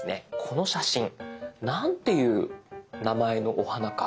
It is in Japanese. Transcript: この写真何て言う名前のお花か？